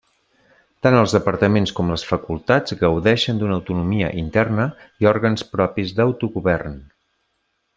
Tant els departaments com les facultats gaudeixen d'una autonomia interna i òrgans propis d'autogovern.